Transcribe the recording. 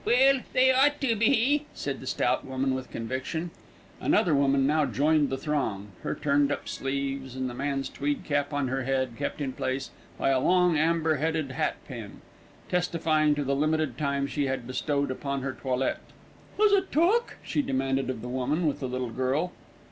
"Well, they ought to be," said the stout woman with conviction. Another woman now joined the throng, her turned up sleeves and the man's tweed cap on her head, kept in place by a long, amber headed hat pin, testifying to the limited time she had bestowed upon her toilette. "Is it took?" she demanded of the woman with the little girl.